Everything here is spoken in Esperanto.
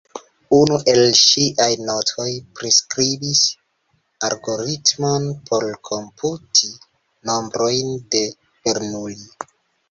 Unu el ŝiaj notoj priskribis algoritmon por komputi nombrojn de Bernoulli.